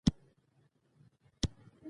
ټلفونونه راڅخه واخیستل شول.